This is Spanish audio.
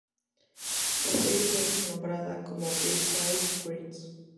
La serie fue renombrada como "Big City Greens".